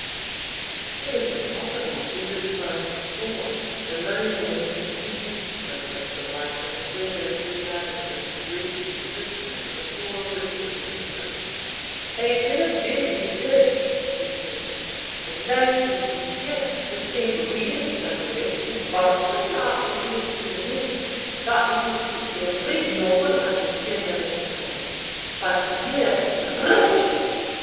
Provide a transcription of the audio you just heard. It is impossible to describe the scorn, the loathing, and contempt, with which the wife of MacGregor regarded this wretched petitioner for the poor boon of existence. "I could have bid ye live," she said, "had life been to you the same weary and wasting burden that it is to me that it is to every noble and generous mind. But you wretch!